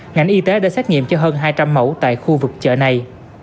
ngành y tế đã xét nghiệm cho hơn hai trăm linh mẫu tại khu vực chợ này